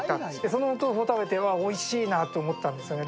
そのお豆腐を食べておいしいなと思ったんですよね。